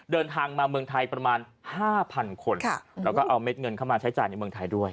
เดินทางมาเมืองไทยประมาณ๕๐๐คนแล้วก็เอาเม็ดเงินเข้ามาใช้จ่ายในเมืองไทยด้วย